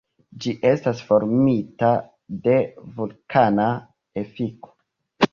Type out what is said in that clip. Ĝi estis formita de vulkana efiko.